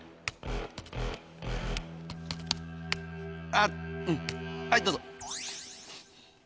あっはいどうぞ。